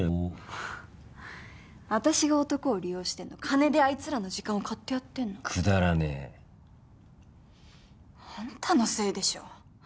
フッ私が男を利用してんの金であいつらの時間を買ってやってんのくだらねえあんたのせいでしょ？